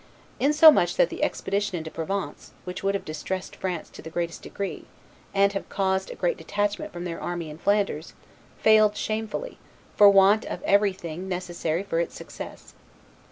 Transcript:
Insomuch that the expedition into Provence, which would have distressed France to the greatest degree, and have caused a great detachment from their army in Flanders, failed shamefully, for want of every one thing necessary for its success.